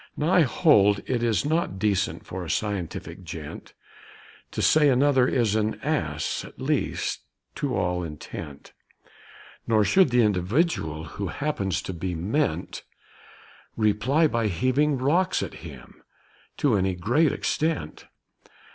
Now, I hold it is not decent for a scientific gent To say another is an ass at least, to all intent; Nor should the individual who happens to be meant Reply by heaving rocks at him to any great extent.